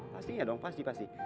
pasti ya dong pasti pasti